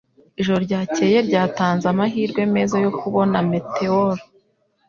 Ijoro ryakeye ryatanze amahirwe meza yo kubona meteor.